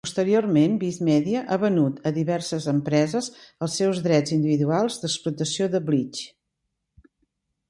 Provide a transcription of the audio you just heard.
Posteriorment, Viz Media ha venut a diverses empreses els seus drets individuals d'explotació de "Bleach".